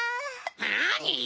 なに⁉